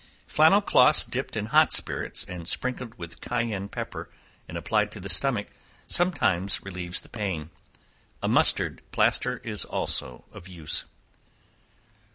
Flannel cloths dipped in hot spirits, and sprinkled with cayenne pepper, and applied to the stomach, sometimes relieves the pain; a mustard plaster is also of use.